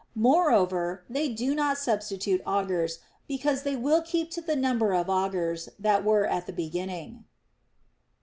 Moreover they do not substitute augurs, because they will keep to the number of augurs that were at the beginning.